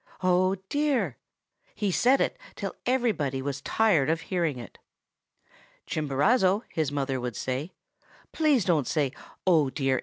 oh, dear!' He said it till everybody was tired of hearing it. "'Chimborazo,' his mother would say, 'please don't say, "Oh, dear!"